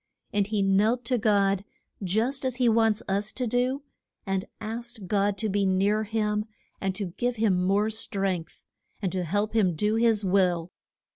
And he knelt to God, just as he wants us to do, and asked God to be near him and to give him more strength, and to help him to do his will.